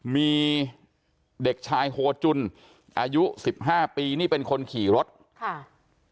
มีเด็กชายโฮจุนอายุสิบห้าปีนี่เป็นคนขี่รถค่ะ